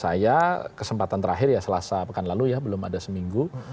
saya kesempatan terakhir ya selasa pekan lalu ya belum ada seminggu